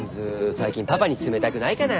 最近パパに冷たくないかな？